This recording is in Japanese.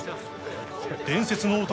伝説の男